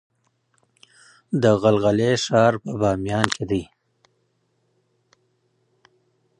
د غلغلې ښار په بامیان کې دی